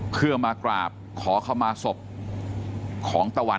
เพื่อมากราบขอเข้ามาศพของตะวัน